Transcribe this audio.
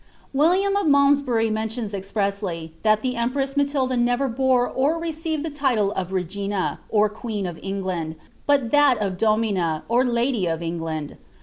* William of Malmsbury mentions expressly, that the emprma Mstild* never bore or received the title of ri ^ina. or queen of England, bat (hu of domina, or lady of England.